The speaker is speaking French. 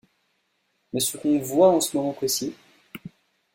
Mais ce qu'on voit en ce moment précis.